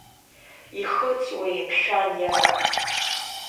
Ихыҵуеи, мшәан, иара?